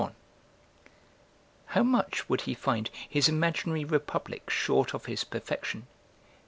1.] How much would he find his imaginary Republic short of his perfection?